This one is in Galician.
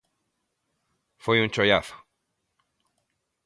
Foi un choiazo.